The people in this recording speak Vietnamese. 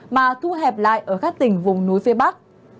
mà thu hẹp lại ở các tỉnh vùng núi phía bắc